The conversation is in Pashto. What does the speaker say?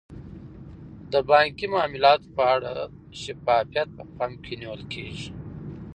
د بانکي معاملاتو په اړه شفافیت په پام کې نیول کیږي.